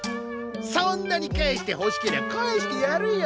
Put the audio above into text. そんなに返してほしけりゃ返してやるよ。